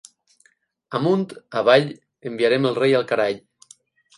Amunt, avall, enviarem el rei al carall.